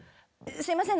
すみません。